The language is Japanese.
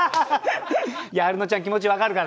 アルノちゃん気持ち分かるからね。